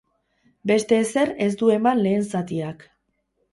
Beste ezer ez du eman lehen zatiak.